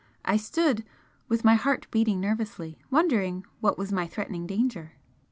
I stood, with my heart beating nervously wondering what was my threatening danger.